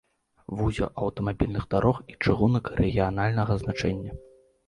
Вузел аўтамабільных дарог і чыгунак рэгіянальнага значэння.